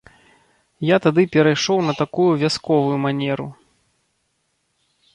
Я тады перайшоў на такую вясковую манеру.